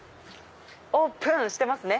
オープンしてますね！